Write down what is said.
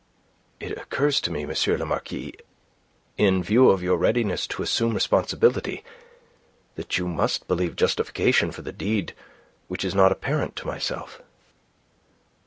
"It occurs to me, M. le Marquis, in view of your readiness to assume responsibility, that you must believe justification for the deed which is not apparent to myself."